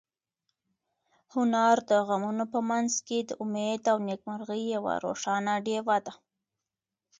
هنر د غمونو په منځ کې د امید او نېکمرغۍ یوه روښانه ډېوه ده.